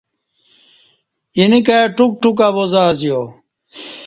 اینہ کائ ٹوک ٹوک آواز ازیا